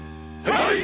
はい！